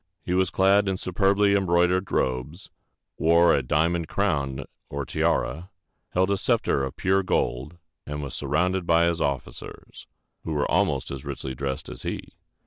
He was clad in superbly embroidered robes, wore a diamond crown or tiara, held a scepter of pure gold, and was surrounded by his officers, who were almost as richly dressed as he.